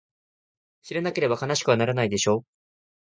知らなければ悲しくはならないでしょ？